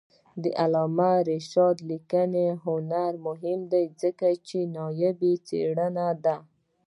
د علامه رشاد لیکنی هنر مهم دی ځکه چې نایابه څېره ده.